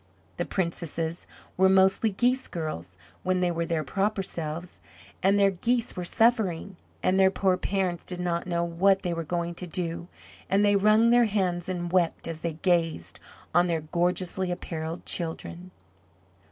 The princesses were mostly geese girls when they were their proper selves, and their geese were suffering, and their poor parents did not know what they were going to do and they wrung their hands and wept as they gazed on their gorgeously apparelled children.